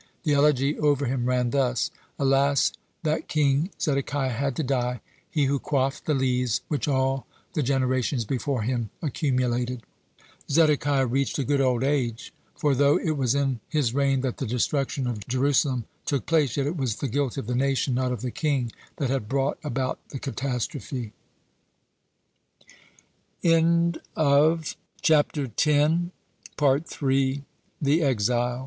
The elegy over him ran thus: "Alas that King Zedekiah had to die, he who quaffed the lees which all the generations before him accumulated." (117) Zedekiah reached a good old age, (118) for though it was in his reign that the destruction of Jerusalem took place, yet it was the guilt of the nation, not of the king, that had brought about the catastr